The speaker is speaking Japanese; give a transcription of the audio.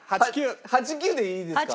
８９でいいですか？